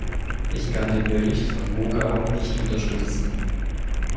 Ich kann den Bericht von Wogau nicht unterstützen.